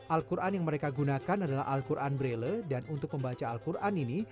al quran yang mereka gunakan adalah al quran braille dan untuk membaca al quran ini